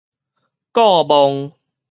顧墓